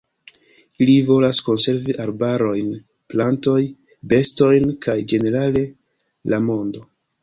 Ili volas konservi arbarojn, plantoj, bestojn kaj ĝenerale la mondo.